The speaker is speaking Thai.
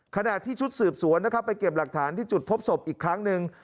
ขณะที่ชุดสืบสวนนะครับไปเก็บหลักฐานที่จุดพบศพอีกครั้งหนึ่ง